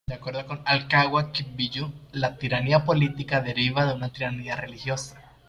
De acuerdo con al-Kawakibi, la tiranía política deriva de una tiranía religiosa.